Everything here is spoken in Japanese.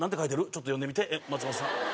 ちょっと読んでみて松本さん。